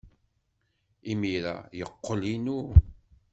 Imir-a, yeqqel inu.